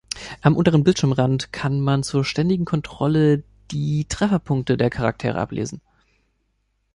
Am unteren Bildschirmrand kann man zur ständigen Kontrolle die Trefferpunkte der Charaktere ablesen.